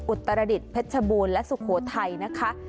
อุตรดิษฐเพชรบูรณ์และสุโขทัยนะคะ